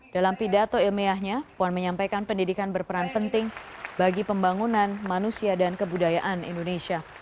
dalam pidato ilmiahnya puan menyampaikan pendidikan berperan penting bagi pembangunan manusia dan kebudayaan indonesia